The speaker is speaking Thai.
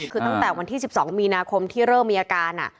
คือตั้งแต่วันที่๑๒มีนาคมที่เริ่มมีอาการ